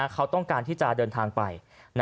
เขาต้องการที่จะเดินทางไป